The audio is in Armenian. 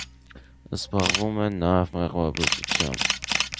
Զբաղվում են նաև մեղվաբուծությամբ։